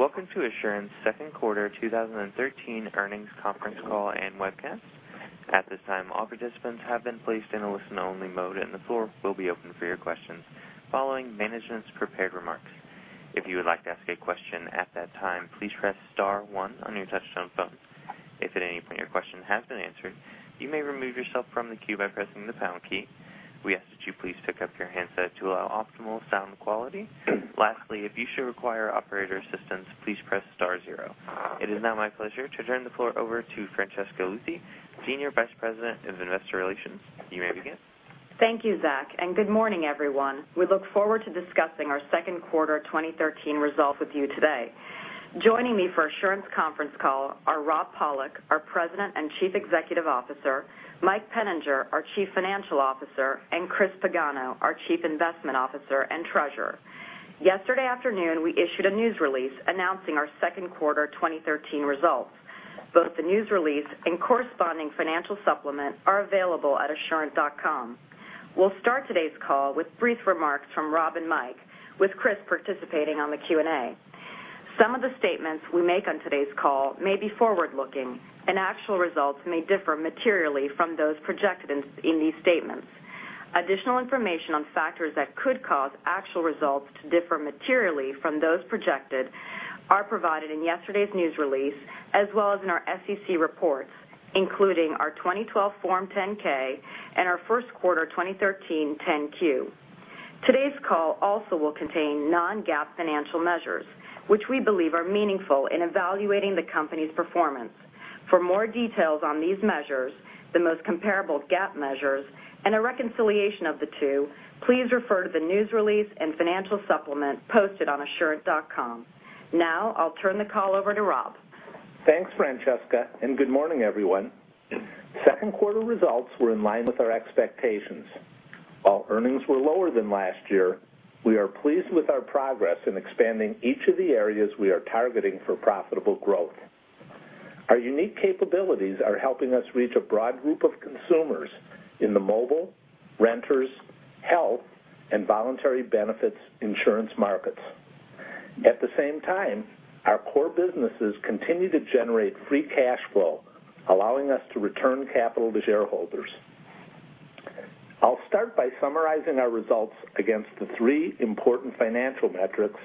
Welcome to Assurant's second quarter 2013 earnings conference call and webcast. At this time, all participants have been placed in a listen-only mode, and the floor will be open for your questions following management's prepared remarks. If you would like to ask a question at that time, please press star one on your touch-tone phone. If at any point your question has been answered, you may remove yourself from the queue by pressing the pound key. We ask that you please pick up your handset to allow optimal sound quality. Lastly, if you should require operator assistance, please press star zero. It is now my pleasure to turn the floor over to Francesca Luthi, senior vice president of investor relations. You may begin. Thank you, Zach, and good morning, everyone. We look forward to discussing our second quarter 2013 results with you today. Joining me for Assurant's conference call are Rob Pollock, our President and Chief Executive Officer, Mike Peninger, our Chief Financial Officer, and Chris Pagano, our Chief Investment Officer and Treasurer. Yesterday afternoon, we issued a news release announcing our second quarter 2013 results. Both the news release and corresponding financial supplement are available at assurant.com. We'll start today's call with brief remarks from Rob and Mike, with Chris participating on the Q&A. Some of the statements we make on today's call may be forward-looking, and actual results may differ materially from those projected in these statements. Additional information on factors that could cause actual results to differ materially from those projected are provided in yesterday's news release, as well as in our SEC reports, including our 2012 Form 10-K and our first quarter 2013 10-Q. Today's call also will contain non-GAAP financial measures, which we believe are meaningful in evaluating the company's performance. For more details on these measures, the most comparable GAAP measures, and a reconciliation of the two, please refer to the news release and financial supplement posted on assurant.com. I'll turn the call over to Rob. Thanks, Francesca, and good morning, everyone. Second quarter results were in line with our expectations. While earnings were lower than last year, we are pleased with our progress in expanding each of the areas we are targeting for profitable growth. Our unique capabilities are helping us reach a broad group of consumers in the mobile, renters, health, and voluntary benefits insurance markets. At the same time, our core businesses continue to generate free cash flow, allowing us to return capital to shareholders. I'll start by summarizing our results against the three important financial metrics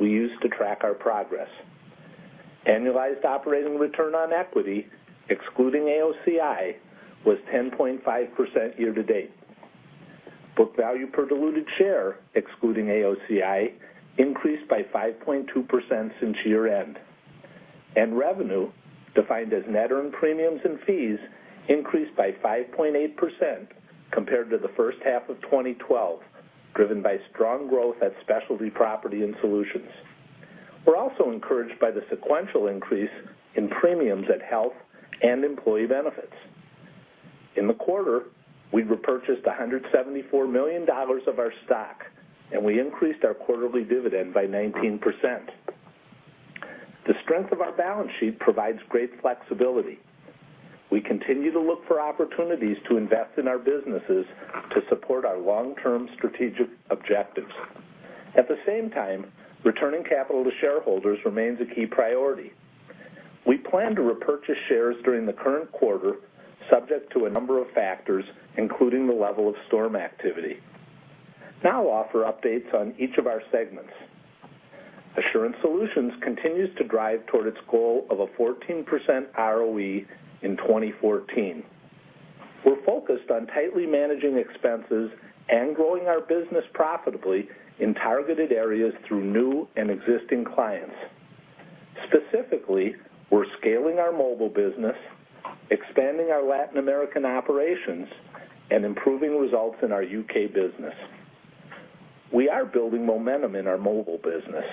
we use to track our progress. Annualized operating return on equity, excluding AOCI, was 10.5% year to date. Book value per diluted share, excluding AOCI, increased by 5.2% since year end. Revenue, defined as net earned premiums and fees, increased by 5.8% compared to the first half of 2012, driven by strong growth at Assurant Specialty Property and Assurant Solutions. We're also encouraged by the sequential increase in premiums at Assurant Health and Assurant Employee Benefits. In the quarter, we repurchased $174 million of our stock, and we increased our quarterly dividend by 19%. The strength of our balance sheet provides great flexibility. We continue to look for opportunities to invest in our businesses to support our long-term strategic objectives. At the same time, returning capital to shareholders remains a key priority. We plan to repurchase shares during the current quarter, subject to a number of factors, including the level of storm activity. I'll offer updates on each of our segments. Assurant Solutions continues to drive toward its goal of a 14% ROE in 2014. We're focused on tightly managing expenses and growing our business profitably in targeted areas through new and existing clients. Specifically, we're scaling our mobile business, expanding our Latin American operations, and improving results in our U.K. business. We are building momentum in our mobile business.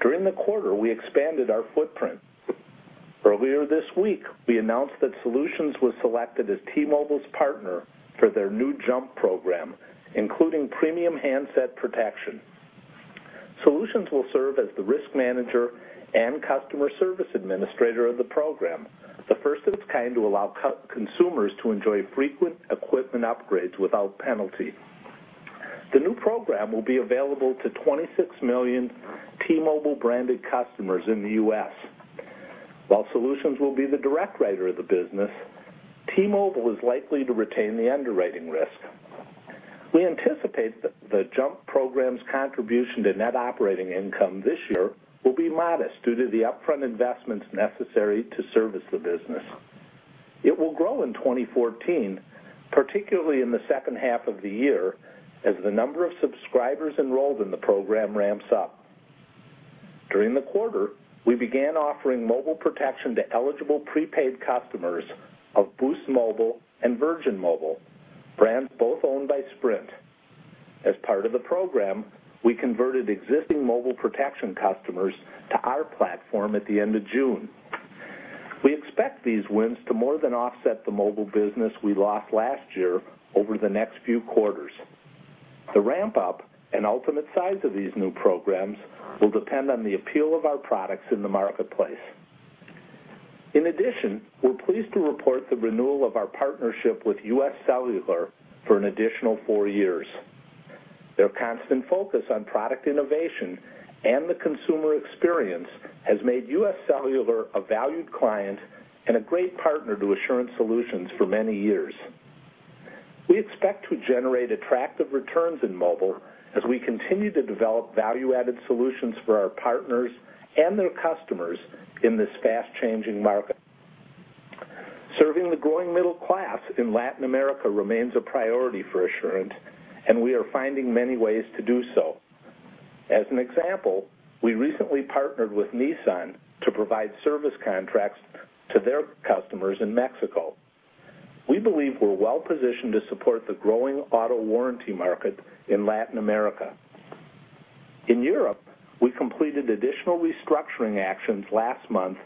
During the quarter, we expanded our footprint. Earlier this week, we announced that Assurant Solutions was selected as T-Mobile's partner for their new JUMP! program, including premium handset protection. Assurant Solutions will serve as the risk manager and customer service administrator of the program, the first of its kind to allow consumers to enjoy frequent equipment upgrades without penalty. The new program will be available to 26 million T-Mobile branded customers in the U.S. While Assurant Solutions will be the direct writer of the business, T-Mobile is likely to retain the underwriting risk. We anticipate the JUMP! program's contribution to net operating income this year will be modest due to the upfront investments necessary to service the business. It will grow in 2014, particularly in the second half of the year, as the number of subscribers enrolled in the program ramps up. During the quarter, we began offering mobile protection to eligible prepaid customers of Boost Mobile and Virgin Mobile, brands both owned by Sprint. As part of the program, we converted existing mobile protection customers to our platform at the end of June. We expect these wins to more than offset the mobile business we lost last year over the next few quarters. The ramp up and ultimate size of these new programs will depend on the appeal of our products in the marketplace. We're pleased to report the renewal of our partnership with U.S. Cellular for an additional four years. Their constant focus on product innovation and the consumer experience has made U.S. Cellular a valued client and a great partner to Assurant Solutions for many years. We expect to generate attractive returns in mobile as we continue to develop value-added solutions for our partners and their customers in this fast-changing market. Serving the growing middle class in Latin America remains a priority for Assurant, and we are finding many ways to do so. As an example, we recently partnered with Nissan to provide service contracts to their customers in Mexico. We believe we're well-positioned to support the growing auto warranty market in Latin America. In Europe, we completed additional restructuring actions last month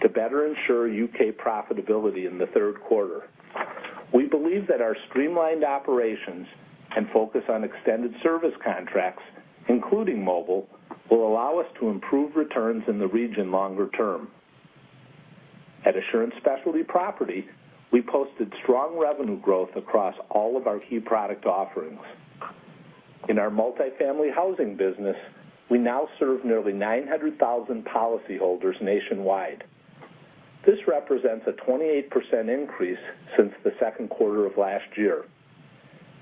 to better ensure U.K. profitability in the third quarter. We believe that our streamlined operations and focus on extended service contracts, including mobile, will allow us to improve returns in the region longer term. At Assurant Specialty Property, we posted strong revenue growth across all of our key product offerings. In our multifamily housing business, we now serve nearly 900,000 policyholders nationwide. This represents a 28% increase since the second quarter of last year.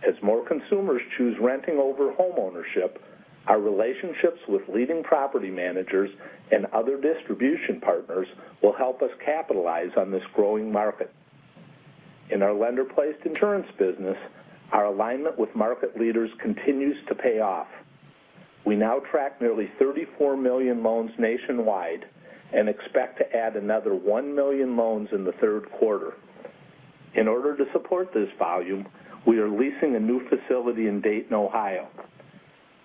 As more consumers choose renting over homeownership, our relationships with leading property managers and other distribution partners will help us capitalize on this growing market. In our lender-placed insurance business, our alignment with market leaders continues to pay off. We now track nearly 34 million loans nationwide and expect to add another 1 million loans in the third quarter. In order to support this volume, we are leasing a new facility in Dayton, Ohio.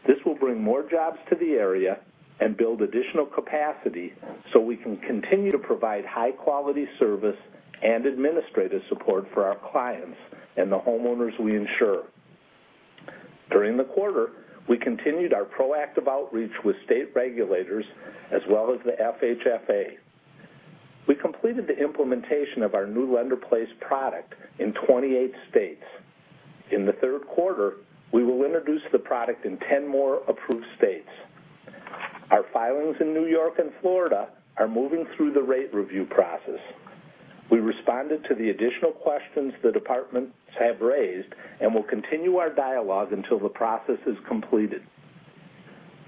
This will bring more jobs to the area and build additional capacity so we can continue to provide high-quality service and administrative support for our clients and the homeowners we insure. During the quarter, we continued our proactive outreach with state regulators as well as the FHFA. We completed the implementation of our new lender-placed product in 28 states. In the third quarter, we will introduce the product in 10 more approved states. Our filings in New York and Florida are moving through the rate review process. We responded to the additional questions the departments have raised and will continue our dialogue until the process is completed.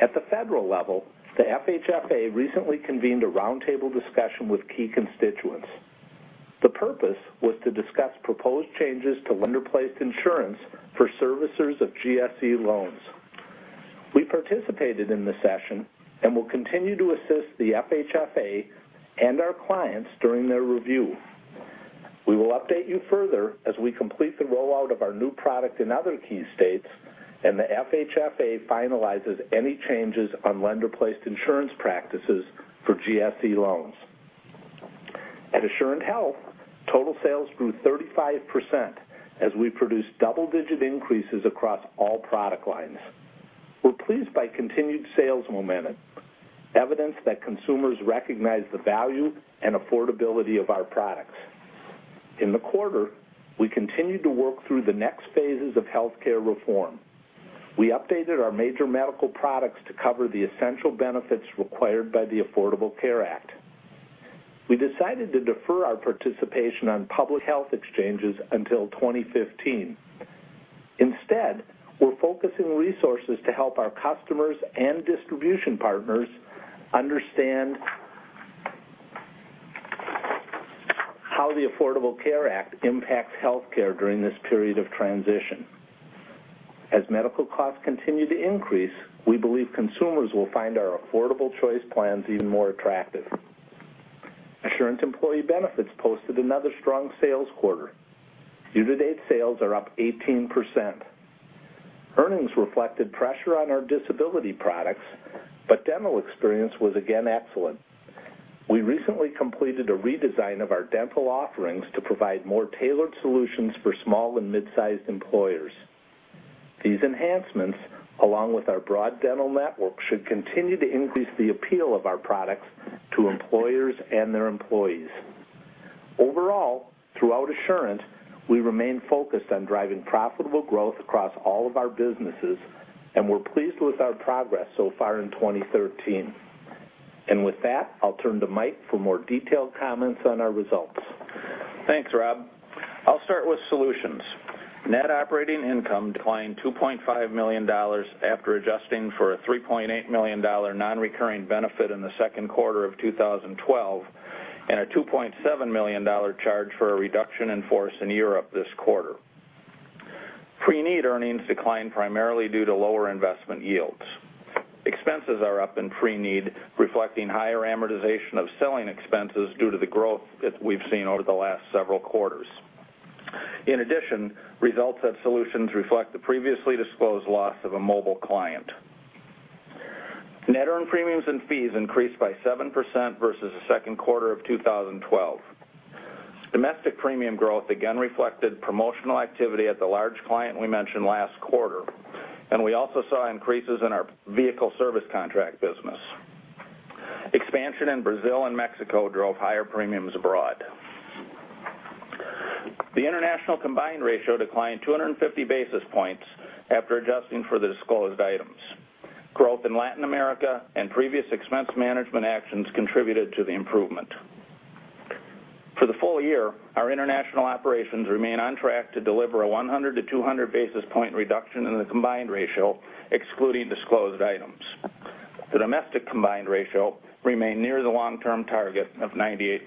At the federal level, the FHFA recently convened a roundtable discussion with key constituents. The purpose was to discuss proposed changes to lender-placed insurance for servicers of GSE loans. We participated in the session and will continue to assist the FHFA and our clients during their review. We will update you further as we complete the rollout of our new product in other key states and the FHFA finalizes any changes on lender-placed insurance practices for GSE loans. At Assurant Health, total sales grew 35% as we produced double-digit increases across all product lines. We are pleased by continued sales momentum, evidence that consumers recognize the value and affordability of our products. In the quarter, we continued to work through the next phases of healthcare reform. We updated our major medical products to cover the essential benefits required by the Affordable Care Act. We decided to defer our participation on public health exchanges until 2015. Instead, we are focusing resources to help our customers and distribution partners understand how the Affordable Care Act impacts healthcare during this period of transition. As medical costs continue to increase, we believe consumers will find our affordable choice plans even more attractive. Assurant Employee Benefits posted another strong sales quarter. Year-to-date sales are up 18%. Earnings reflected pressure on our disability products, but dental experience was again excellent. We recently completed a redesign of our dental offerings to provide more tailored solutions for small and mid-sized employers. These enhancements, along with our broad dental network, should continue to increase the appeal of our products to employers and their employees. Overall, throughout Assurant, we remain focused on driving profitable growth across all of our businesses, and we are pleased with our progress so far in 2013. With that, I will turn to Mike for more detailed comments on our results. Thanks, Rob. I'll start with Solutions. Net operating income declined $2.5 million after adjusting for a $3.8 million non-recurring benefit in the second quarter of 2012 and a $2.7 million charge for a reduction in force in Europe this quarter. Pre-need earnings declined primarily due to lower investment yields. Expenses are up in pre-need, reflecting higher amortization of selling expenses due to the growth that we've seen over the last several quarters. In addition, results at Solutions reflect the previously disclosed loss of a mobile client. Net earned premiums and fees increased by 7% versus the second quarter of 2012. Domestic premium growth again reflected promotional activity at the large client we mentioned last quarter. We also saw increases in our vehicle service contract business. Expansion in Brazil and Mexico drove higher premiums abroad. The international combined ratio declined 250 basis points after adjusting for the disclosed items. Growth in Latin America and previous expense management actions contributed to the improvement. For the full year, our international operations remain on track to deliver a 100-200 basis point reduction in the combined ratio, excluding disclosed items. The domestic combined ratio remained near the long-term target of 98%.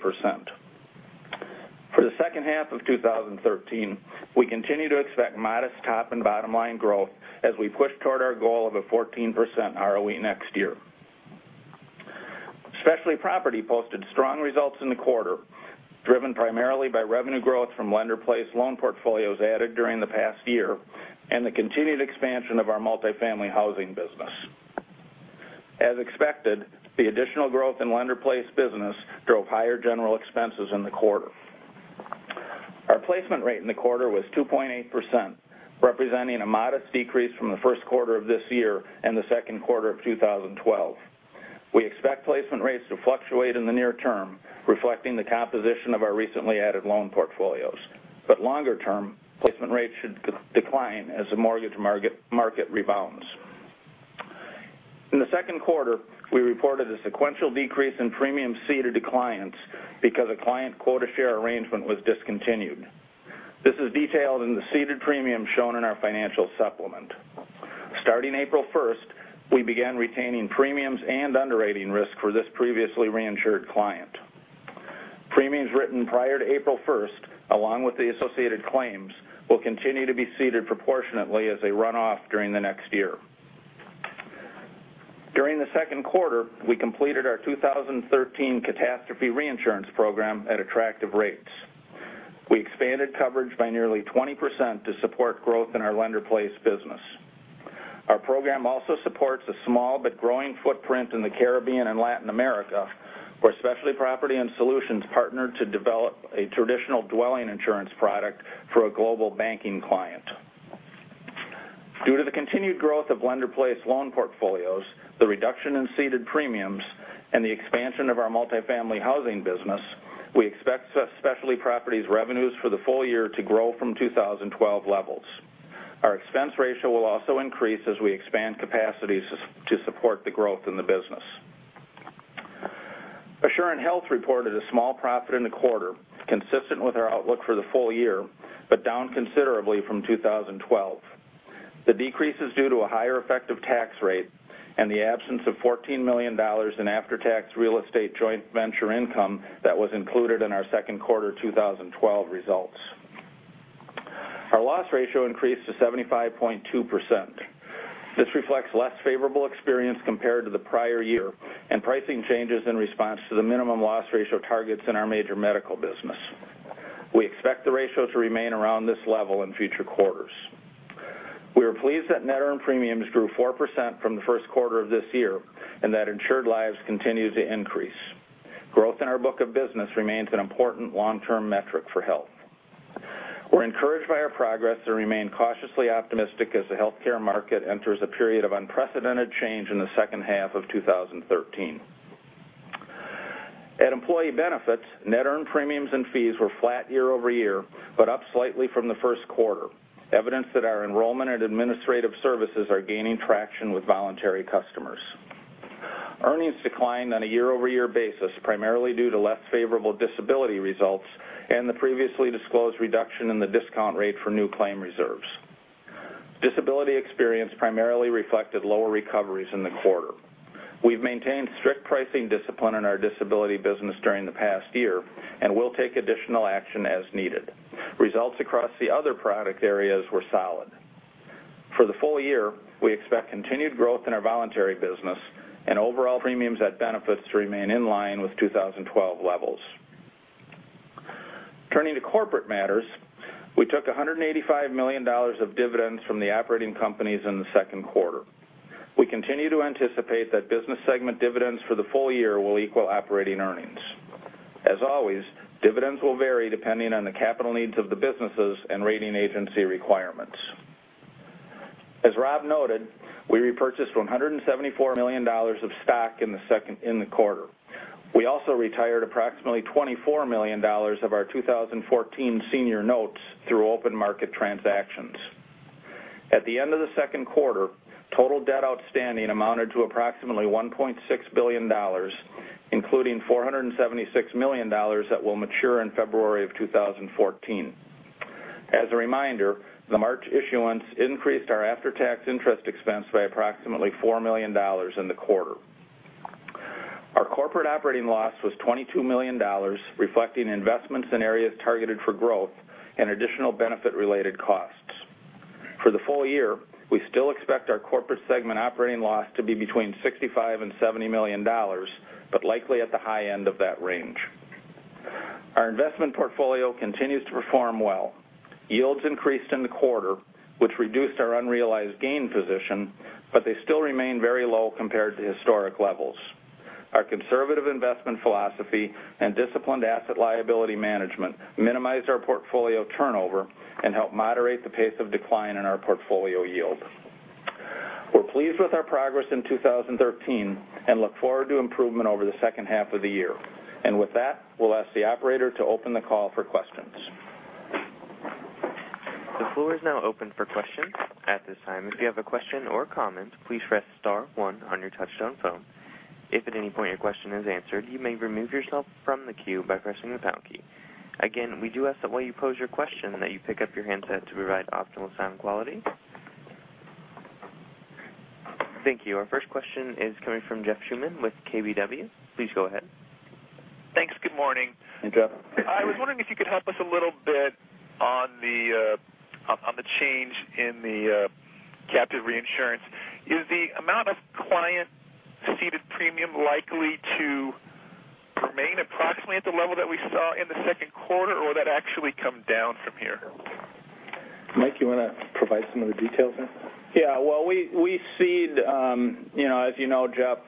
For the second half of 2013, we continue to expect modest top and bottom-line growth as we push toward our goal of a 14% ROE next year. Specialty & Property posted strong results in the quarter, driven primarily by revenue growth from lender-placed loan portfolios added during the past year and the continued expansion of our multifamily housing business. As expected, the additional growth in lender-placed business drove higher general expenses in the quarter. Our placement rate in the quarter was 2.8%, representing a modest decrease from the first quarter of this year and the second quarter of 2012. We expect placement rates to fluctuate in the near term, reflecting the composition of our recently added loan portfolios. Longer-term, placement rates should decline as the mortgage market rebounds. In the second quarter, we reported a sequential decrease in premiums ceded to clients because a client quota share arrangement was discontinued. This is detailed in the ceded premium shown in our financial supplement. Starting April 1st, we began retaining premiums and underwriting risk for this previously reinsured client. Premiums written prior to April 1st, along with the associated claims, will continue to be ceded proportionately as they run off during the next year. During the second quarter, we completed our 2013 catastrophe reinsurance program at attractive rates. We expanded coverage by nearly 20% to support growth in our lender-placed business. Our program also supports a small but growing footprint in the Caribbean and Latin America, where Specialty & Property and Solutions partnered to develop a traditional dwelling insurance product for a global banking client. Due to the continued growth of lender-placed loan portfolios, the reduction in ceded premiums, and the expansion of our multifamily housing business, we expect Specialty & Property's revenues for the full year to grow from 2012 levels. Our expense ratio will also increase as we expand capacities to support the growth in the business. Assurant Health reported a small profit in the quarter, consistent with our outlook for the full year. Down considerably from 2012. The decrease is due to a higher effective tax rate and the absence of $14 million in after-tax real estate joint venture income that was included in our second quarter 2012 results. Our loss ratio increased to 75.2%. This reflects less favorable experience compared to the prior year and pricing changes in response to the minimum loss ratio targets in our major medical business. We expect the ratio to remain around this level in future quarters. We are pleased that net earned premiums grew 4% from the first quarter of this year and that insured lives continue to increase. Growth in our book of business remains an important long-term metric for health. We're encouraged by our progress and remain cautiously optimistic as the healthcare market enters a period of unprecedented change in the second half of 2013. At Assurant Employee Benefits, net earned premiums and fees were flat year-over-year, but up slightly from the first quarter, evidence that our enrollment and administrative services are gaining traction with voluntary customers. Earnings declined on a year-over-year basis, primarily due to less favorable disability results and the previously disclosed reduction in the discount rate for new claim reserves. Disability experience primarily reflected lower recoveries in the quarter. We've maintained strict pricing discipline in our disability business during the past year and will take additional action as needed. Results across the other product areas were solid. For the full year, we expect continued growth in our voluntary business and overall premiums at Benefits to remain in line with 2012 levels. Turning to corporate matters, we took $185 million of dividends from the operating companies in the second quarter. We continue to anticipate that business segment dividends for the full year will equal operating earnings. As always, dividends will vary depending on the capital needs of the businesses and rating agency requirements. As Rob noted, we repurchased $174 million of stock in the quarter. We also retired approximately $24 million of our 2014 senior notes through open market transactions. At the end of the second quarter, total debt outstanding amounted to approximately $1.6 billion, including $476 million that will mature in February of 2014. As a reminder, the March issuance increased our after-tax interest expense by approximately $4 million in the quarter. Our corporate operating loss was $22 million, reflecting investments in areas targeted for growth and additional benefit-related costs. For the full year, we still expect our corporate segment operating loss to be between $65 million and $70 million, but likely at the high end of that range. Our investment portfolio continues to perform well. Yields increased in the quarter, which reduced our unrealized gain position, but they still remain very low compared to historic levels. Our conservative investment philosophy and disciplined asset liability management minimize our portfolio turnover and help moderate the pace of decline in our portfolio yield. We're pleased with our progress in 2013 and look forward to improvement over the second half of the year. With that, we'll ask the operator to open the call for questions. The floor is now open for questions. At this time, if you have a question or comment, please press star one on your touch-tone phone. If at any point your question is answered, you may remove yourself from the queue by pressing the pound key. Again, we do ask that while you pose your question, that you pick up your handset to provide optimal sound quality. Thank you. Our first question is coming from Jeff Schmitt with KBW. Please go ahead. Thanks. Good morning. Hey, Jeff. I was wondering if you could help us a little bit on the change in the captive reinsurance. Is the amount of client-ceded premium likely to remain approximately at the level that we saw in the second quarter, or will that actually come down from here? Mike, you want to provide some of the details there? Yeah. Well, we cede, as you know, Jeff,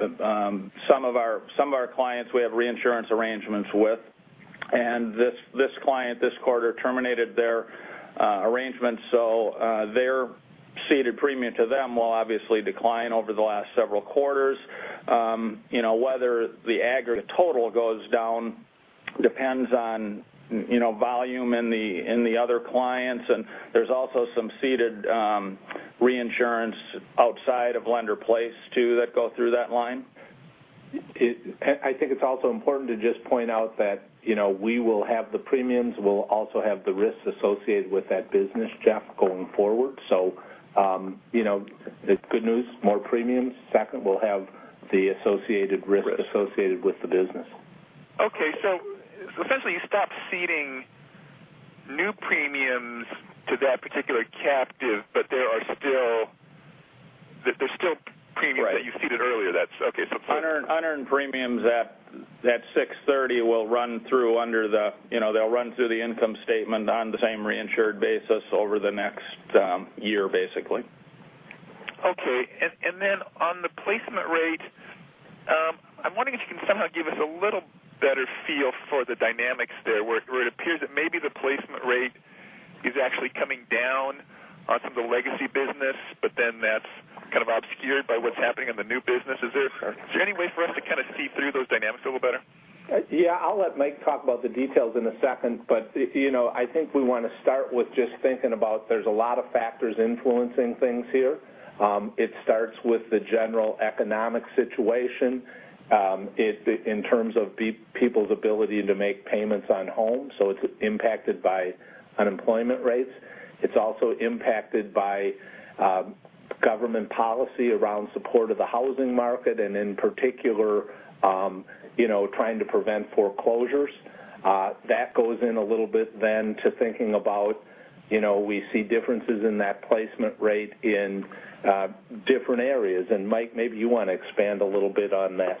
some of our clients we have reinsurance arrangements with, this client this quarter terminated their arrangement. Their ceded premium to them will obviously decline over the last several quarters. Whether the aggregate total goes down depends on volume in the other clients, there's also some ceded reinsurance outside of lender-place too, that go through that line. I think it's also important to just point out that we will have the premiums. We'll also have the risks associated with that business, Jeff, going forward. The good news, more premiums. Second, we'll have the associated risk associated with the business. Okay. Essentially, you stop ceding new premiums to that particular captive, there's still premiums- Right that you ceded earlier that's okay. Unearned premiums at 630 will run through under the income statement on the same reinsured basis over the next year, basically. Okay. On the placement rate, I'm wondering if you can somehow give us a little better feel for the dynamics there, where it appears that maybe the placement rate is actually coming down on some of the legacy business, but then that's kind of obscured by what's happening in the new business. Is there any way for us to kind of see through those dynamics a little better? Yeah, I'll let Mike talk about the details in a second, but I think we want to start with just thinking about there's a lot of factors influencing things here. It starts with the general economic situation, in terms of people's ability to make payments on homes, so it's impacted by unemployment rates. It's also impacted by government policy around support of the housing market, and in particular, trying to prevent foreclosures. That goes in a little bit then to thinking about, we see differences in that placement rate in different areas. Mike, maybe you want to expand a little bit on that.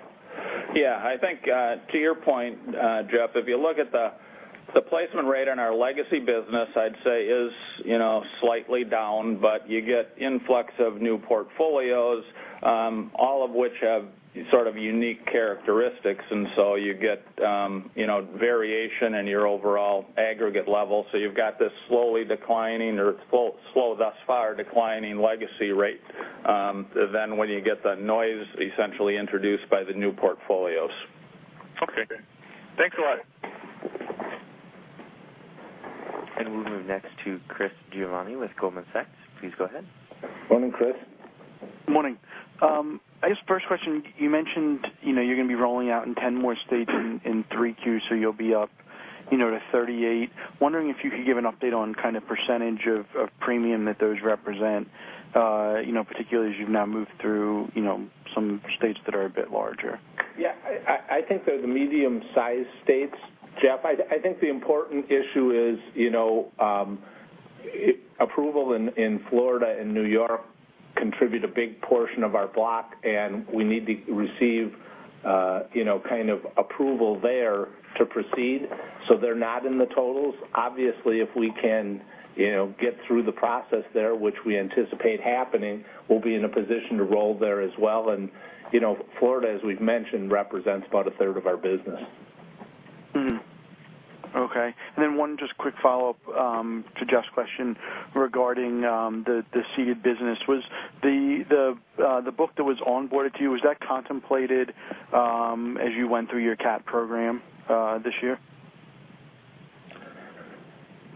I think to your point, Jeff, if you look at the placement rate on our legacy business, I'd say is slightly down, but you get influx of new portfolios, all of which have sort of unique characteristics, and so you get variation in your overall aggregate level. You've got this slowly declining, or slow thus far declining legacy rate. When you get the noise essentially introduced by the new portfolios. Okay. Thanks a lot. We'll move next to Chris Giovanni with Goldman Sachs. Please go ahead. Morning, Chris. Morning. I guess first question, you mentioned you're going to be rolling out in 10 more states in 3 Qs, so you'll be up to 38. Wondering if you could give an update on kind of % of premium that those represent, particularly as you've now moved through some states that are a bit larger. Yeah. I think they're the medium-sized states, Jeff. I think the important issue is approval in Florida and New York contribute a big portion of our block, and we need to receive kind of approval there to proceed. They're not in the totals. Obviously, if we can get through the process there, which we anticipate happening, we'll be in a position to roll there as well. Florida, as we've mentioned, represents about a third of our business. Okay. One just quick follow-up to Jeff's question regarding the ceded business. Was the book that was onboarded to you, was that contemplated as you went through your CAT program this year?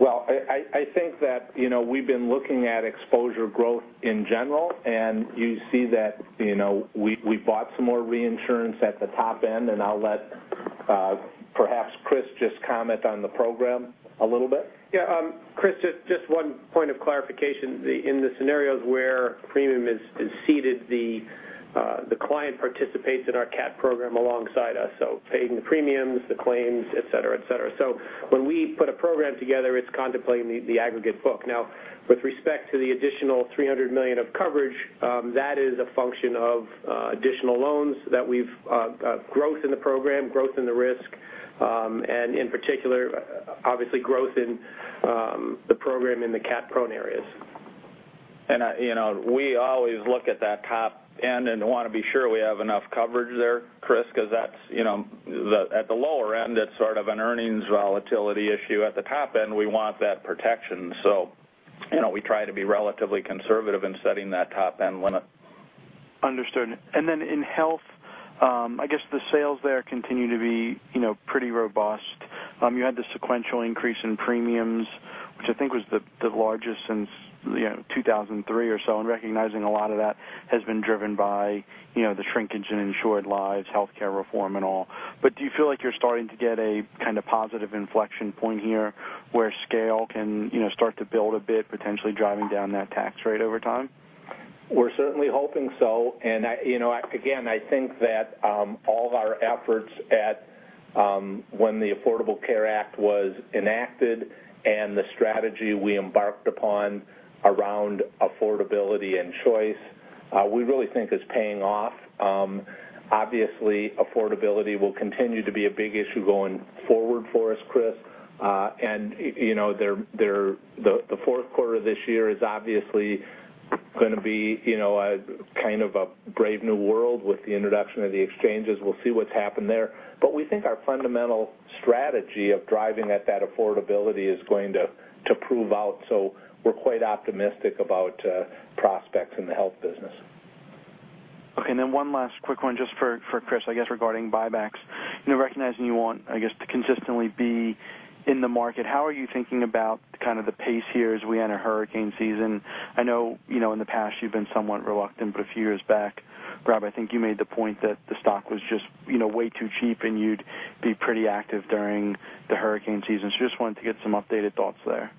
Well, I think that we've been looking at exposure growth in general, and you see that we bought some more reinsurance at the top end, and I'll let perhaps Chris just comment on the program a little bit. Yeah, Chris, just one point of clarification. In the scenarios where premium is ceded, the client participates in our CAT program alongside us, paying the premiums, the claims, et cetera. When we put a program together, it's contemplating the aggregate book. Now, with respect to the additional $300 million of coverage, that is a function of additional loans that we've got growth in the program, growth in the risk, and in particular, obviously growth in the program in the CAT-prone areas. We always look at that top end and want to be sure we have enough coverage there, Chris, because at the lower end, that's sort of an earnings volatility issue. At the top end, we want that protection. We try to be relatively conservative in setting that top-end limit. Understood. In health, I guess the sales there continue to be pretty robust. You had the sequential increase in premiums, which I think was the largest since 2003 or so, and recognizing a lot of that has been driven by the shrinkage in insured lives, healthcare reform, and all. Do you feel like you're starting to get a kind of positive inflection point here where scale can start to build a bit, potentially driving down that tax rate over time? We're certainly hoping so. Again, I think that all of our efforts when the Affordable Care Act was enacted and the strategy we embarked upon around affordability and choice, we really think is paying off. Obviously, affordability will continue to be a big issue going forward for us, Chris. The fourth quarter of this year is obviously going to be kind of a brave new world with the introduction of the exchanges. We'll see what's happened there. We think our fundamental strategy of driving at that affordability is going to prove out, we're quite optimistic about prospects in the health business. Okay, one last quick one just for Chris, I guess, regarding buybacks. Recognizing you want, I guess, to consistently be in the market, how are you thinking about kind of the pace here as we enter hurricane season? I know in the past you've been somewhat reluctant, but a few years back, Rob, I think you made the point that the stock was just way too cheap, and you'd be pretty active during the hurricane season. Just wanted to get some updated thoughts there.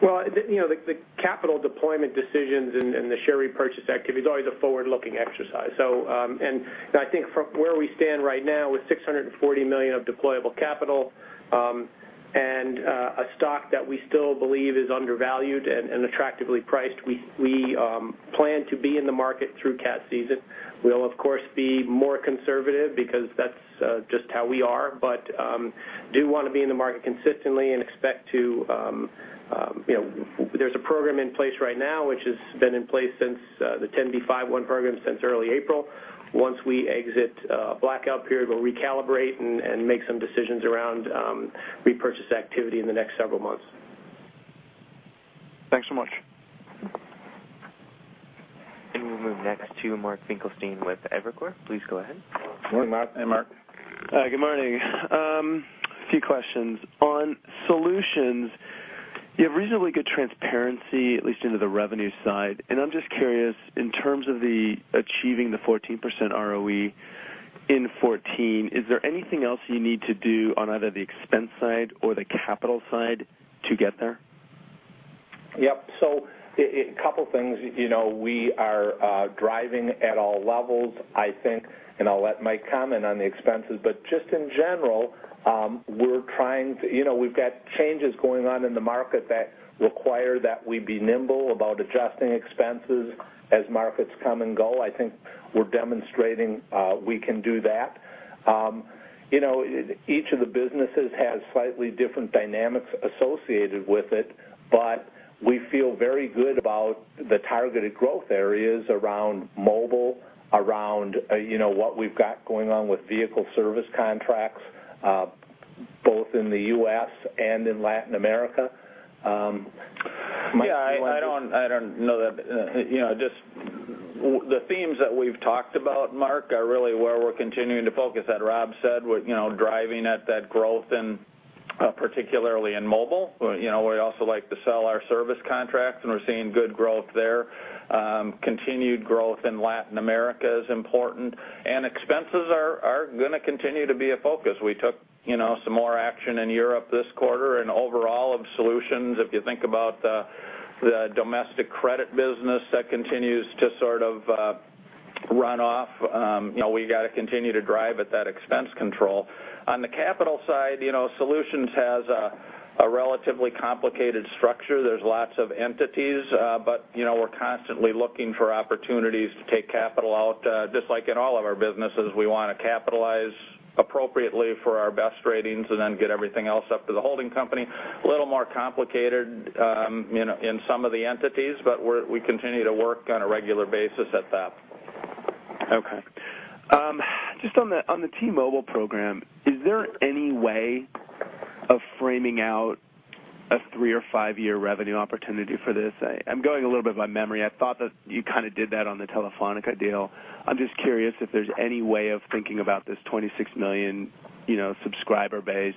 The capital deployment decisions and the share repurchase activity is always a forward-looking exercise. I think from where we stand right now with $640 million of deployable capital and a stock that we still believe is undervalued and attractively priced, we plan to be in the market through CAT season. We'll of course, be more conservative because that's just how we are. Do want to be in the market consistently. There's a program in place right now, which has been in place since the Rule 10b5-1 program since early April. Once we exit blackout period, we'll recalibrate and make some decisions around repurchase activity in the next several months. Thanks so much. We'll move next to Mark Finkelstein with Evercore. Please go ahead. Morning, Mark. Hey, Mark Finkelstein. Hi. Good morning. A few questions. On Assurant Solutions, you have reasonably good transparency, at least into the revenue side. I'm just curious, in terms of the achieving the 14% ROE in 2014, is there anything else you need to do on either the expense side or the capital side to get there? Yep. A couple of things. We are driving at all levels. I think, I'll let Mike Peninger comment on the expenses, but just in general, we've got changes going on in the market that require that we be nimble about adjusting expenses as markets come and go. I think we're demonstrating we can do that. Each of the businesses has slightly different dynamics associated with it, but we feel very good about the targeted growth areas around mobile, around what we've got going on with vehicle service contracts both in the U.S. and in Latin America. Mike Peninger, do you want to- I don't know. Just the themes that we've talked about, Mark Finkelstein, are really where we're continuing to focus. As Rob Pollock said, we're driving at that growth, particularly in mobile. We also like to sell our service contracts. We're seeing good growth there. Continued growth in Latin America is important. Expenses are going to continue to be a focus. We took some more action in Europe this quarter. Overall of Assurant Solutions, if you think about the domestic credit business that continues to sort of run off, we got to continue to drive at that expense control. On the capital side, Assurant Solutions has a relatively complicated structure. There's lots of entities, but we're constantly looking for opportunities to take capital out. Just like in all of our businesses, we want to capitalize appropriately for our best ratings and then get everything else up to the holding company. A little more complicated in some of the entities, we continue to work on a regular basis at that. Okay. Just on the T-Mobile program, is there any way of framing out a three- or five-year revenue opportunity for this? I'm going a little bit by memory. I thought that you kind of did that on the Telefónica deal. I'm just curious if there's any way of thinking about this 26 million subscriber base,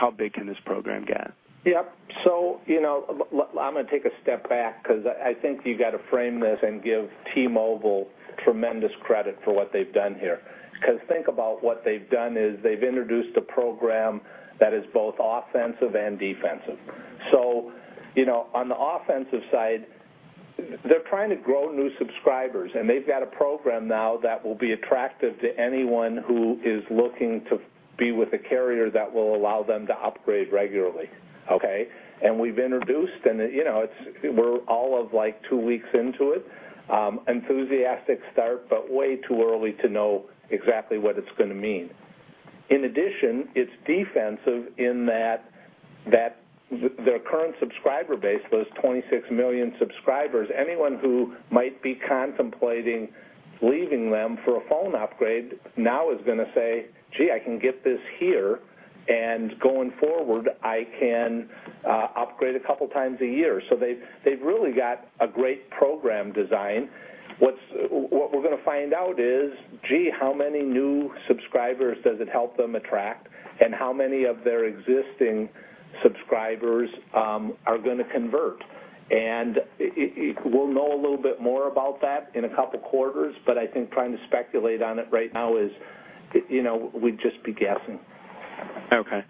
how big can this program get? Yep. I'm going to take a step back because I think you got to frame this and give T-Mobile tremendous credit for what they've done here. Think about what they've done is they've introduced a program that is both offensive and defensive. On the offensive side, they're trying to grow new subscribers, they've got a program now that will be attractive to anyone who is looking to be with a carrier that will allow them to upgrade regularly. Okay? We've introduced, we're all of two weeks into it. Enthusiastic start, way too early to know exactly what it's going to mean. In addition, it's defensive in that their current subscriber base, those 26 million subscribers, anyone who might be contemplating leaving them for a phone upgrade now is going to say, "Gee, I can get this here, going forward, I can upgrade a couple times a year." They've really got a great program design. What we're going to find out is, gee, how many new subscribers does it help them attract, how many of their existing subscribers are going to convert? We'll know a little bit more about that in a couple of quarters, I think trying to speculate on it right now is we'd just be guessing. Okay.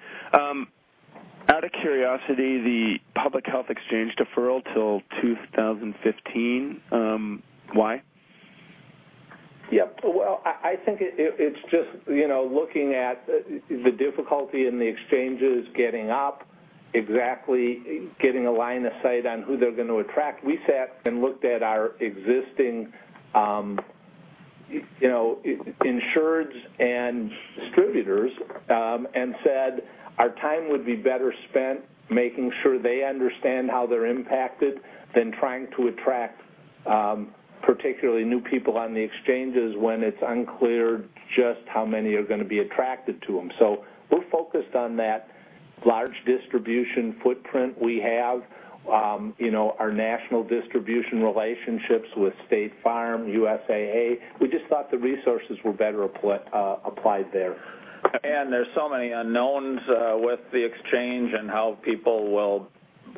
Out of curiosity, the public health exchange deferral till 2015, why? Yep. Well, I think it's just looking at the difficulty in the exchanges getting up, exactly, getting a line of sight on who they're going to attract. We sat and looked at our existing insureds and distributors and said our time would be better spent making sure they understand how they're impacted than trying to attract particularly new people on the exchanges when it's unclear just how many are going to be attracted to them. We're focused on that large distribution footprint we have, our national distribution relationships with State Farm, USAA. We just thought the resources were better applied there. There's so many unknowns with the exchange and how people will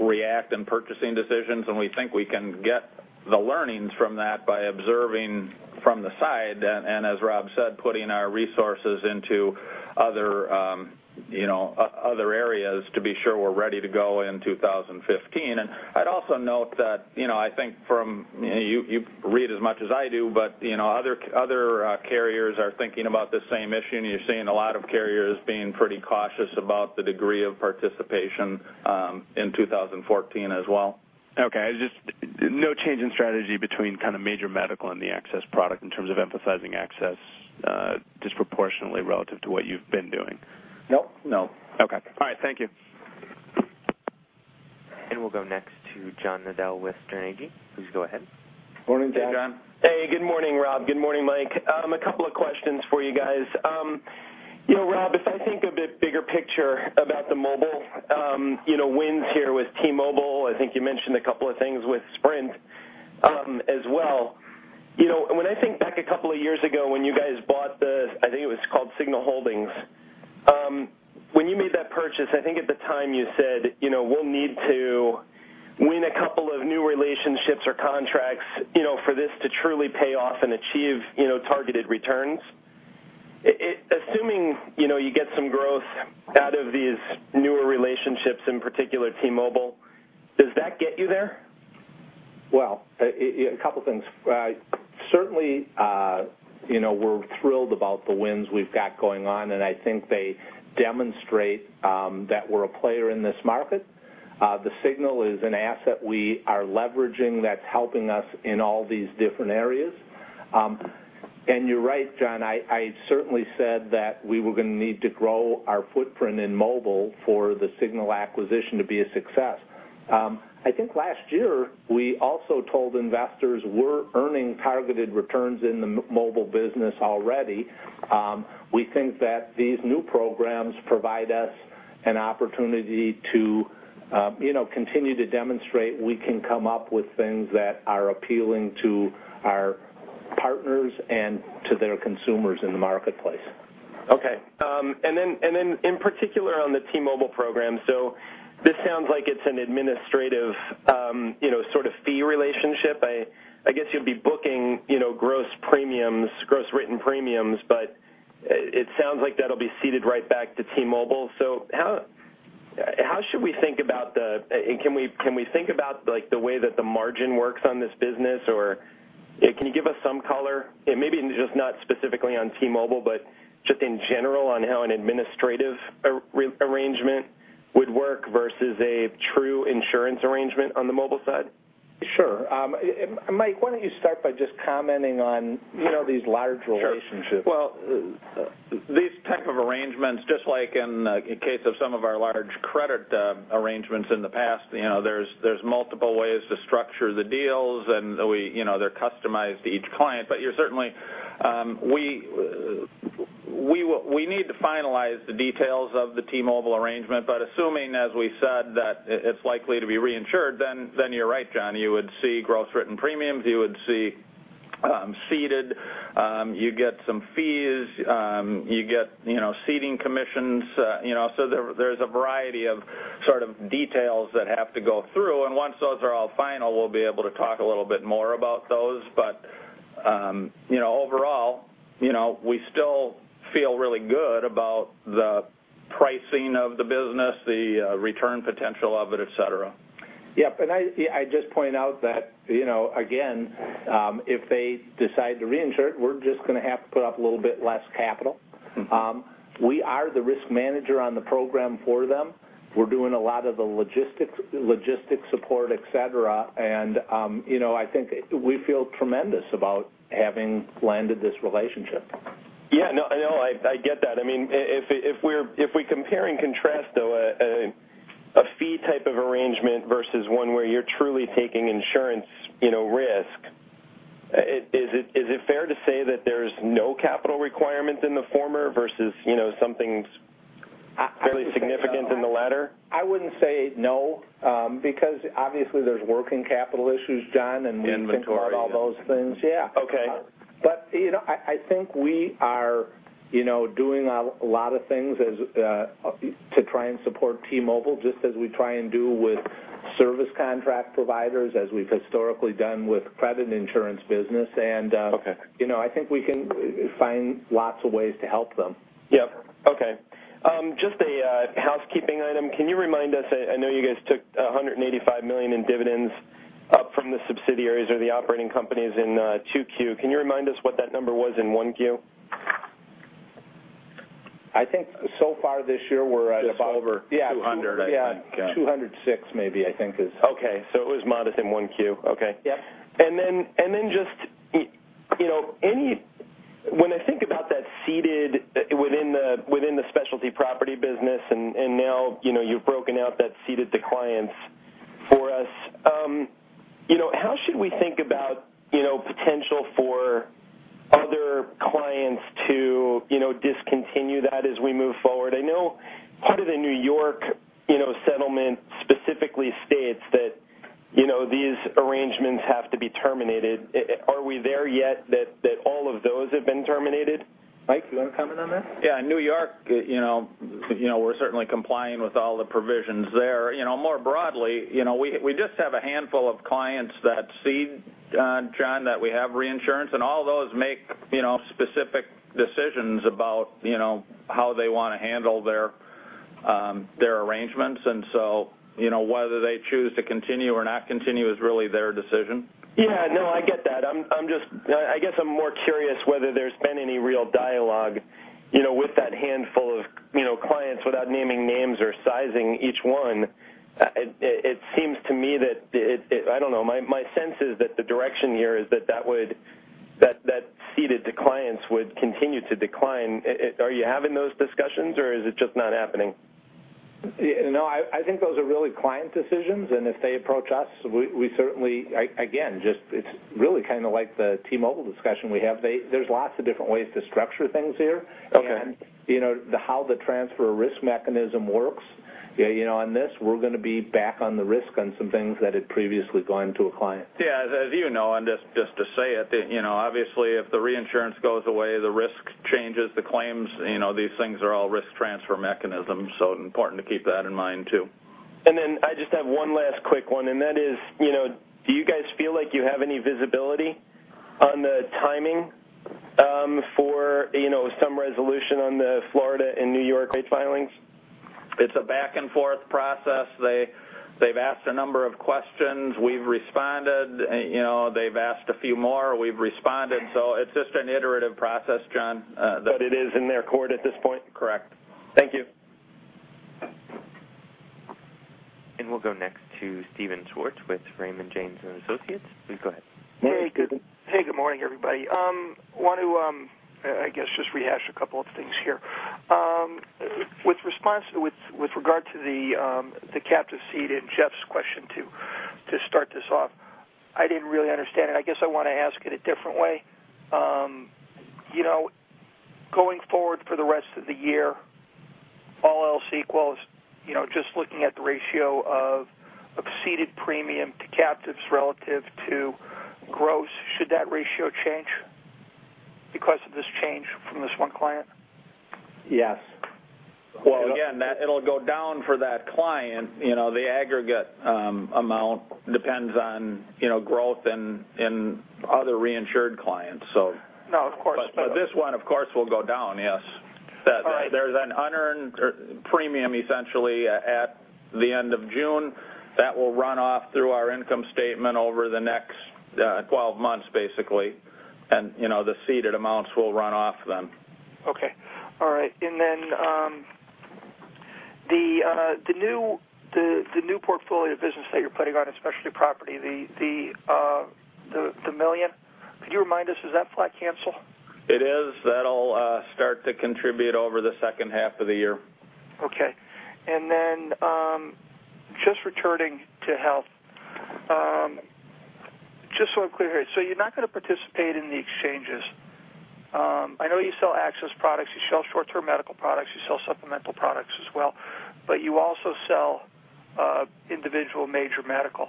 react in purchasing decisions, we think we can get the learnings from that by observing from the side, and as Rob said, putting our resources into other areas to be sure we're ready to go in 2015. I'd also note that, I think you read as much as I do, other carriers are thinking about the same issue, you're seeing a lot of carriers being pretty cautious about the degree of participation in 2014 as well. Okay. No change in strategy between kind of major medical and the access product in terms of emphasizing access disproportionately relative to what you've been doing? No. No. Okay. All right. Thank you. We'll go next to John Nadel with Sterne Agee. Please go ahead. Morning, John. Hey, John. Hey, good morning, Rob. Good morning, Mike. A couple of questions for you guys. Rob, if I think of the bigger picture about the mobile wins here with T-Mobile, I think you mentioned a couple of things with Sprint as well. When I think back a couple of years ago when you guys bought the, I think it was called Signal Holdings. When you made that purchase, I think at the time you said, "We'll need to win a couple of new relationships or contracts for this to truly pay off and achieve targeted returns." Assuming you get some growth out of these newer relationships, in particular T-Mobile, does that get you there? Well, a couple of things. Certainly, we're thrilled about the wins we've got going on. I think they demonstrate that we're a player in this market. The Signal is an asset we are leveraging that's helping us in all these different areas. You're right, John, I certainly said that we were going to need to grow our footprint in mobile for the Signal acquisition to be a success. I think last year, we also told investors we're earning targeted returns in the mobile business already. We think that these new programs provide us an opportunity to continue to demonstrate we can come up with things that are appealing to our partners and to their consumers in the marketplace. Okay. In particular on the T-Mobile program, this sounds like it's an administrative sort of fee relationship. I guess you'll be booking gross written premiums, but it sounds like that'll be ceded right back to T-Mobile. Can we think about the way that the margin works on this business, or can you give us some color? Maybe just not specifically on T-Mobile, but just in general on how an administrative arrangement would work versus a true insurance arrangement on the mobile side? Sure. Mike, why don't you start by just commenting on these large relationships? Sure. Well, these type of arrangements, just like in case of some of our large credit arrangements in the past, there's multiple ways to structure the deals, and they're customized to each client. We need to finalize the details of the T-Mobile arrangement. Assuming, as we said, that it's likely to be reinsured, then you're right, John. You would see gross written premiums. You would see ceded. You get some fees. You get ceding commissions. There's a variety of sort of details that have to go through, and once those are all final, we'll be able to talk a little bit more about those. Overall, we still feel really good about the pricing of the business, the return potential of it, et cetera. Yep. I'd just point out that, again, if they decide to reinsure it, we're just going to have to put up a little bit less capital. We are the risk manager on the program for them. We're doing a lot of the logistics support, et cetera. I think we feel tremendous about having landed this relationship. Yeah. No, I know. I get that. If we compare and contrast, though, a fee type of arrangement versus one where you're truly taking insurance risk, is it fair to say that there's no capital requirement in the former versus something fairly significant in the latter? I wouldn't say no, because obviously there's working capital issues, John. Inventory About all those things. Yeah. Okay. I think we are doing a lot of things to try and support T-Mobile, just as we try and do with service contract providers, as we've historically done with credit insurance business. Okay I think we can find lots of ways to help them. Yep. Okay. Just a housekeeping item. Can you remind us, I know you guys took $185 million in dividends up from the subsidiaries or the operating companies in Q2. Can you remind us what that number was in Q1? I think so far this year, we're at about- Just over $200, I think. Yeah, $206 maybe, I think is- Okay. It was modest in Q1. Okay. Yep. Just, when I think about that ceded within the Specialty Property business, and now you've broken out that ceded to clients for us, how should we think about potential for other clients to discontinue that as we move forward? I know part of the N.Y. settlement specifically states that these arrangements have to be terminated. Are we there yet that all of those have been terminated? Mike, you want to comment on that? Yeah. N.Y., we're certainly complying with all the provisions there. More broadly, we just have a handful of clients that cede, John, that we have reinsurance, and all those make specific decisions about how they want to handle their arrangements. Whether they choose to continue or not continue is really their decision. Yeah. No, I get that. I guess I'm more curious whether there's been any real dialogue with that handful of clients without naming names or sizing each one. It seems to me that, I don't know, my sense is that the direction here is that that ceded to clients would continue to decline. Are you having those discussions, or is it just not happening? No, I think those are really client decisions, and if they approach us, we certainly, again, just it's really kind of like the T-Mobile discussion we have. There's lots of different ways to structure things here. Okay. How the transfer risk mechanism works on this, we're going to be back on the risk on some things that had previously gone to a client. Yeah. As you know, and just to say it, obviously if the reinsurance goes away, the risk changes, the claims, these things are all risk transfer mechanisms, so important to keep that in mind, too. I just have one last quick one, and that is, do you guys feel like you have any visibility on the timing for some resolution on the Florida and New York rate filings? It's a back-and-forth process. They've asked a number of questions. We've responded. They've asked a few more. We've responded. It's just an iterative process, John. It is in their court at this point? Correct. Thank you. We'll go next to Steven Schwartz with Raymond James & Associates. Please go ahead. Hey, good morning, everybody. Want to, I guess, just rehash a couple of things here. With regard to the captive ceded, Jeff's question to start this off, I didn't really understand it. I guess I want to ask it a different way. Going forward for the rest of the year, all else equals, just looking at the ratio of a ceded premium to captives relative to gross, should that ratio change because of this change from this one client? Yes. Again, it'll go down for that client. The aggregate amount depends on growth in other reinsured clients. No, of course. this one, of course, will go down, yes. All right. There's an unearned premium, essentially, at the end of June. That will run off through our income statement over the next 12 months, basically, and the ceded amounts will run off then. Okay. All right. Then, the new portfolio of business that you're putting on in Specialty Property, the $1 million, could you remind us, is that flat cancel? It is. That'll start to contribute over the second half of the year. Okay. Just returning to health, just so I'm clear here, you're not going to participate in the exchanges. I know you sell access products, you sell short-term medical products, you sell supplemental products as well, but you also sell individual major medical.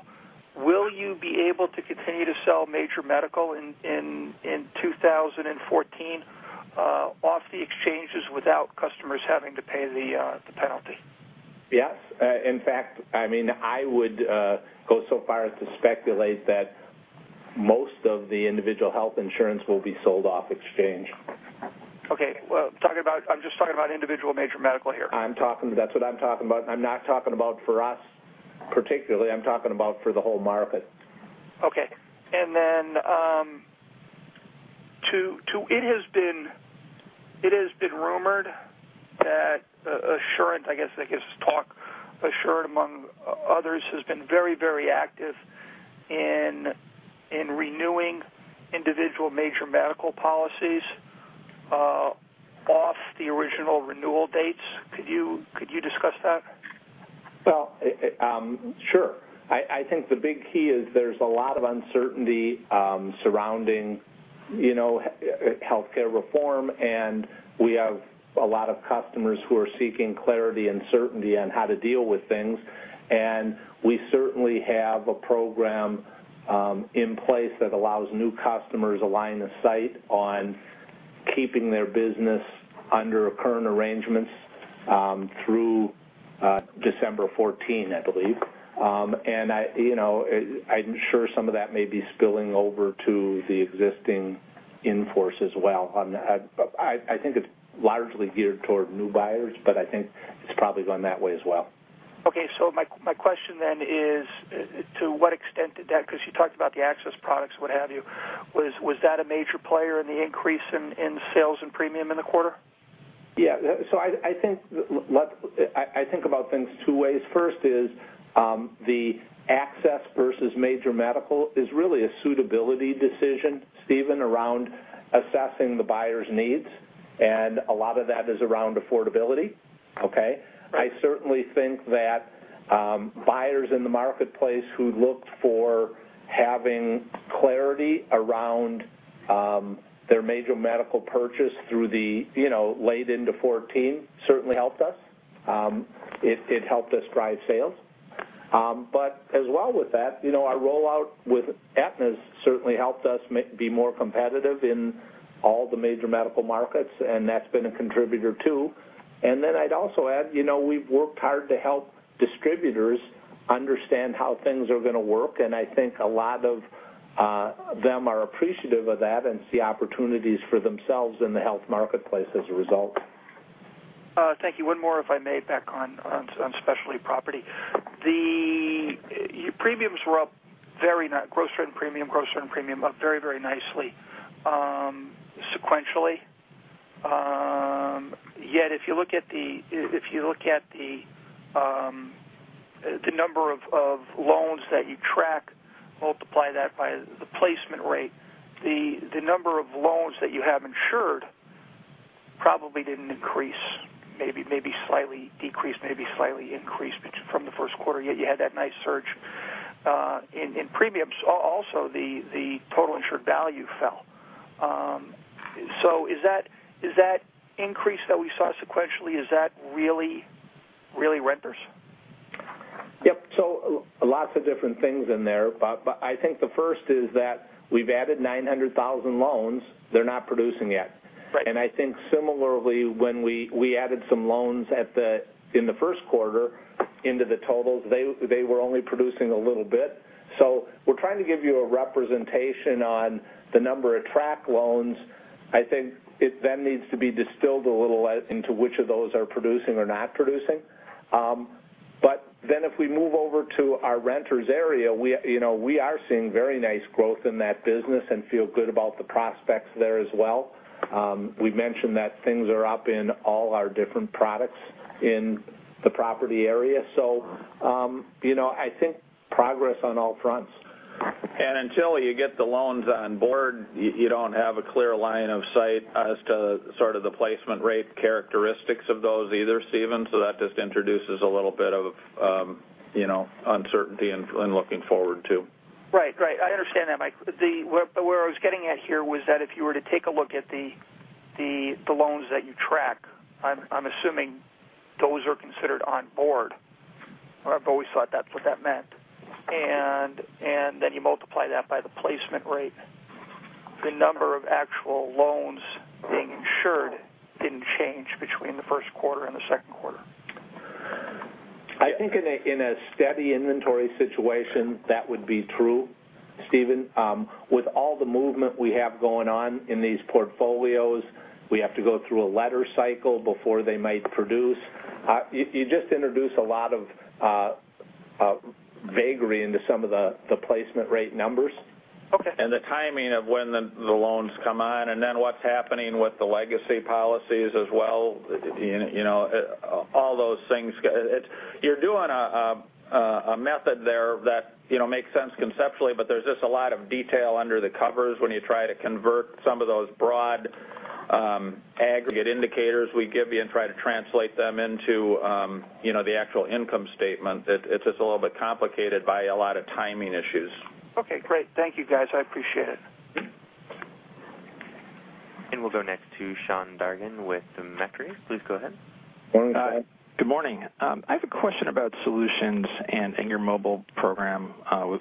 Will you be able to continue to sell major medical in 2014 off the exchanges without customers having to pay the penalty? Yes. In fact, I would go so far as to speculate that most of the individual health insurance will be sold off exchange. Okay. I'm just talking about individual major medical here. That's what I'm talking about. I'm not talking about for us particularly. I'm talking about for the whole market. Okay. It has been rumored that Assurant, I guess there's talk Assurant among others, has been very active in renewing individual major medical policies off the original renewal dates. Could you discuss that? Well, sure. I think the big key is there's a lot of uncertainty surrounding healthcare reform, and we have a lot of customers who are seeking clarity and certainty on how to deal with things. We certainly have a program in place that allows new customers a line of sight on keeping their business under current arrangements through December 2014, I believe. I'm sure some of that may be spilling over to the existing in-force as well. I think it's largely geared toward new buyers, but I think it's probably going that way as well. Okay. My question then is, to what extent did that, because you talked about the access products and what have you, was that a major player in the increase in sales and premium in the quarter? Yeah. I think about things two ways. First is, the access versus major medical is really a suitability decision, Steven, around assessing the buyer's needs, and a lot of that is around affordability. Okay? Right. I certainly think that buyers in the marketplace who looked for having clarity around their major medical purchase through the late into 2014 certainly helped us. It helped us drive sales. As well with that, our rollout with Aetna's certainly helped us be more competitive in all the major medical markets, and that's been a contributor, too. I'd also add, we've worked hard to help distributors understand how things are going to work, and I think a lot of them are appreciative of that and see opportunities for themselves in the health marketplace as a result. Thank you. One more, if I may, back on Specialty Property. Your premiums were up very nice. Gross written premium up very nicely sequentially. Yet if you look at the number of loans that you track, multiply that by the placement rate, the number of loans that you have insured probably didn't increase. Maybe slightly decreased, maybe slightly increased from the first quarter, yet you had that nice surge in premiums. Also, the total insured value fell. Is that increase that we saw sequentially, is that really renters? Yep. Lots of different things in there. I think the first is that we've added 900,000 loans. They're not producing yet. Right. I think similarly, when we added some loans in the first quarter into the totals, they were only producing a little bit. We're trying to give you a representation on the number of track loans. I think it then needs to be distilled a little into which of those are producing or not producing. If we move over to our renters area, we are seeing very nice growth in that business and feel good about the prospects there as well. We've mentioned that things are up in all our different products in the property area. I think progress on all fronts. Until you get the loans on board, you don't have a clear line of sight as to sort of the placement rate characteristics of those either, Steven. That just introduces a little bit of uncertainty in looking forward, too. Right. I understand that, Mike. Where I was getting at here was that if you were to take a look at the loans that you track, I'm assuming those are considered on board. I've always thought that's what that meant. Then you multiply that by the placement rate. The number of actual loans being insured didn't change between the first quarter and the second quarter. I think in a steady inventory situation, that would be true, Steven. With all the movement we have going on in these portfolios, we have to go through a letter cycle before they might produce. You just introduce a lot of vagary into some of the placement rate numbers. Okay. The timing of when the loans come on, and then what's happening with the legacy policies as well, all those things. You're doing a method there that makes sense conceptually, but there's just a lot of detail under the covers when you try to convert some of those broad aggregate indicators we give you and try to translate them into the actual income statement. It's just a little bit complicated by a lot of timing issues. Okay, great. Thank you, guys. I appreciate it. We'll go next to Sean Dargan with Macquarie. Please go ahead. Sean, go ahead. Good morning. I have a question about Solutions and your mobile program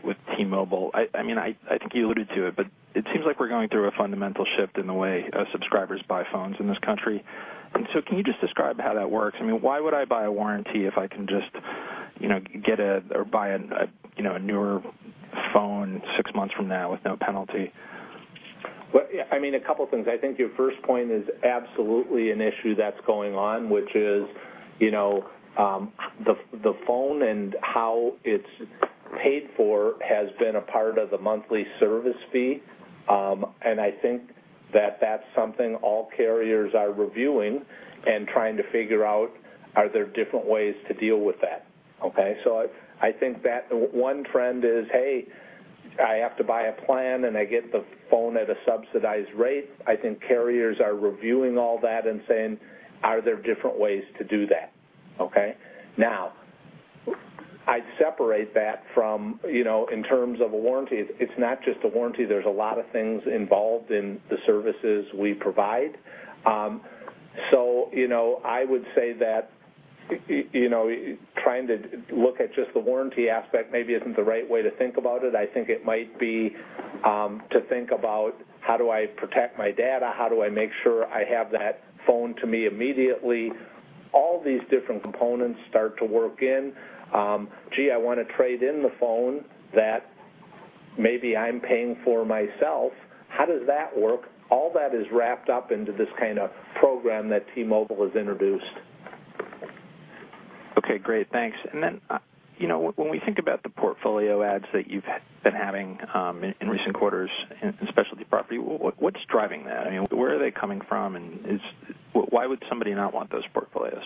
with T-Mobile. I think you alluded to it, but it seems like we're going through a fundamental shift in the way subscribers buy phones in this country. Can you just describe how that works? Why would I buy a warranty if I can just buy a newer phone six months from now with no penalty? Well. A couple things. I think your first point is absolutely an issue that's going on, which is the phone and how it's Paid for has been a part of the monthly service fee, and I think that that's something all carriers are reviewing and trying to figure out are there different ways to deal with that? Okay. I think that one trend is, hey, I have to buy a plan and I get the phone at a subsidized rate. I think carriers are reviewing all that and saying, "Are there different ways to do that?" Okay. Now, I'd separate that from, in terms of a warranty, it's not just a warranty. There's a lot of things involved in the services we provide. I would say that trying to look at just the warranty aspect maybe isn't the right way to think about it. I think it might be to think about how do I protect my data? How do I make sure I have that phone to me immediately? All these different components start to work in. Gee, I want to trade in the phone that maybe I'm paying for myself. How does that work? All that is wrapped up into this kind of program that T-Mobile has introduced. Okay, great. Thanks. When we think about the portfolio adds that you've been having, in recent quarters in Specialty Property, what's driving that? I mean, where are they coming from and why would somebody not want those portfolios?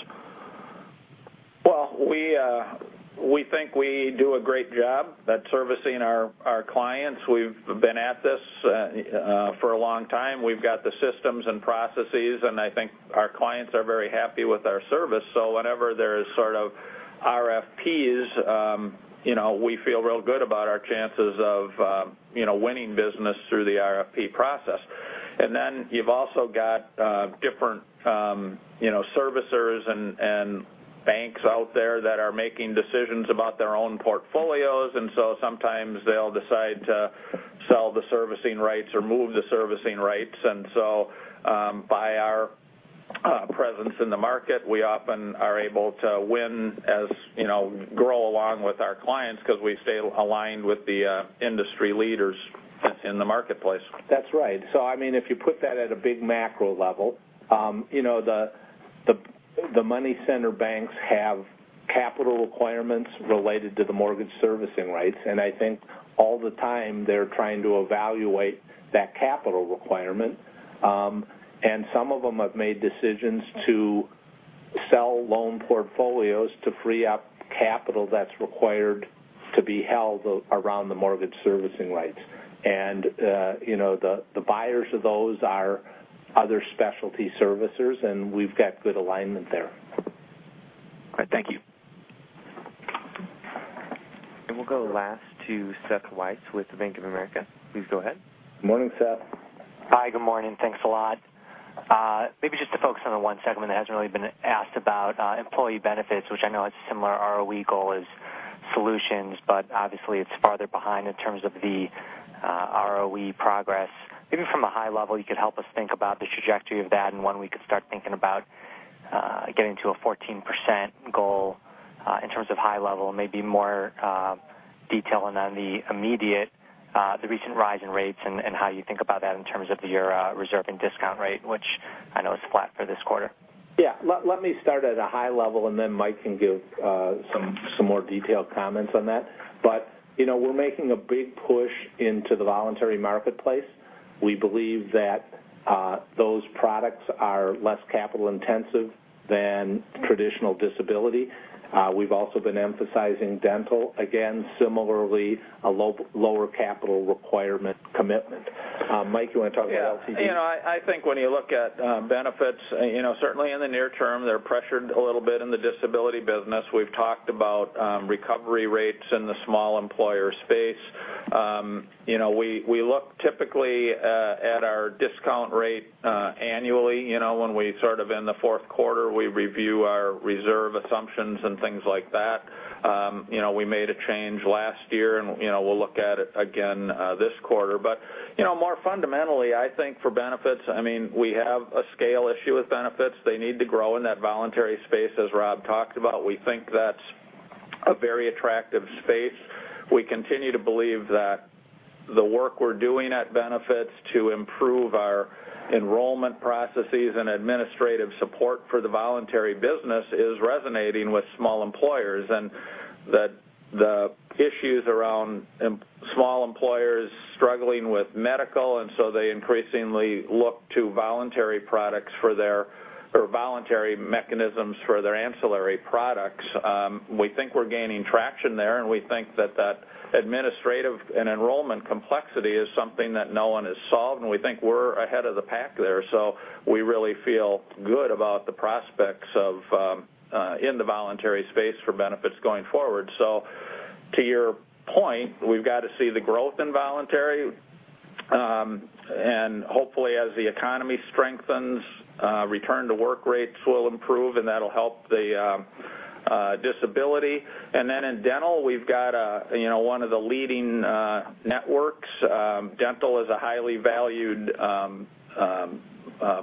Well, we think we do a great job at servicing our clients. We've been at this for a long time. We've got the systems and processes. I think our clients are very happy with our service. Whenever there's sort of RFP, we feel real good about our chances of winning business through the RFP process. You've also got different servicers and banks out there that are making decisions about their own portfolios. Sometimes they'll decide to sell the servicing rights or move the servicing rights. By our presence in the market, we often are able to win as grow along with our clients because we stay aligned with the industry leaders in the marketplace. That's right. If you put that at a big macro level, the money center banks have capital requirements related to the mortgage servicing rights. I think all the time they're trying to evaluate that capital requirement. Some of them have made decisions to sell loan portfolios to free up capital that's required to be held around the mortgage servicing rights. The buyers of those are other specialty servicers, and we've got good alignment there. All right, thank you. We'll go last to Seth Weiss with Bank of America. Please go ahead. Morning, Seth. Hi, good morning. Thanks a lot. Maybe just to focus on the one segment that hasn't really been asked about, Employee Benefits, which I know has a similar ROE goal as Solutions, but obviously it's farther behind in terms of the ROE progress. Maybe from a high level, you could help us think about the trajectory of that and when we could start thinking about getting to a 14% goal, in terms of high level, maybe more detail in on the immediate, the recent rise in rates and how you think about that in terms of your reserve and discount rate, which I know is flat for this quarter. Let me start at a high level and then Mike can give some more detailed comments on that. We're making a big push into the voluntary marketplace. We believe that those products are less capital intensive than traditional disability. We've also been emphasizing dental, again, similarly, a lower capital requirement commitment. Mike, you want to talk about LTD? I think when you look at benefits, certainly in the near term, they're pressured a little bit in the disability business. We've talked about recovery rates in the small employer space. We look typically at our discount rate annually. When we sort of in the fourth quarter, we review our reserve assumptions and things like that. We made a change last year and we'll look at it again this quarter. More fundamentally, I think for benefits, we have a scale issue with benefits. They need to grow in that voluntary space, as Rob talked about. We think that's a very attractive space. We continue to believe that the work we're doing at Benefits to improve our enrollment processes and administrative support for the voluntary business is resonating with small employers, that the issues around small employers struggling with medical, they increasingly look to voluntary mechanisms for their ancillary products. We think we're gaining traction there, and we think that that administrative and enrollment complexity is something that no one has solved, and we think we're ahead of the pack there. We really feel good about the prospects in the voluntary space for Benefits going forward. To your point, we've got to see the growth in voluntary. Hopefully as the economy strengthens, return-to-work rates will improve and that'll help the disability. In dental, we've got one of the leading networks. Dental is a highly valued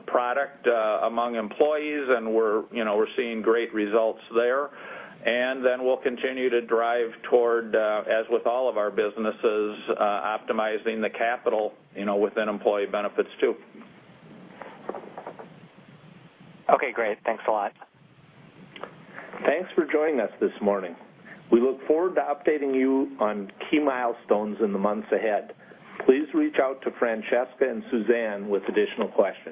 product among employees, and we're seeing great results there. We'll continue to drive toward, as with all of our businesses, optimizing the capital within Employee Benefits too. Okay, great. Thanks a lot. Thanks for joining us this morning. We look forward to updating you on key milestones in the months ahead. Please reach out to Francesca and Suzanne with additional questions.